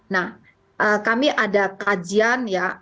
nah kami ada kajian ya